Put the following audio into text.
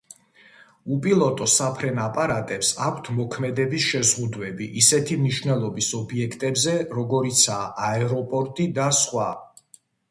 უპილოტო საფრენ აპარატებს აქვთ მოქმედების შეზღუდვები ისეთი მნიშვნელობის ობიექტებზე როგორიცაა აეროპორტი და სხვა.